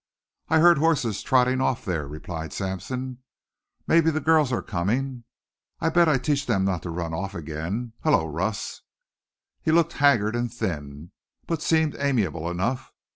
"I heard horses trotting off there," replied Sampson. "Maybe the girls are coming. I bet I teach them not to run off again Hello, Russ." He looked haggard and thin, but seemed amiable enough.